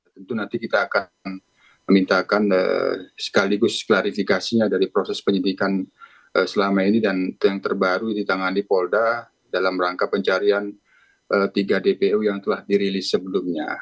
tentu nanti kita akan memintakan sekaligus klarifikasinya dari proses penyidikan selama ini dan yang terbaru ditangani polda dalam rangka pencarian tiga dpo yang telah dirilis sebelumnya